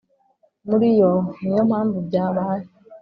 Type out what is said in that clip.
Muri yo ni yo mpamvu byabaye